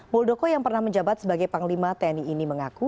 muldoko yang pernah menjabat sebagai panglima tni ini mengaku